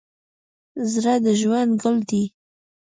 زړه د ژوند ګل دی.